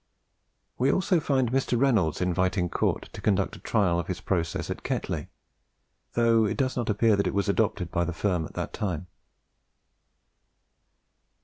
We also find Mr. Reynolds inviting Cort to conduct a trial of his process at Ketley, though it does not appear that it was adopted by the firm at that time.